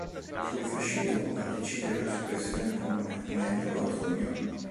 Fu il fascismo a decidere la soppressione del comune unendolo a Zogno.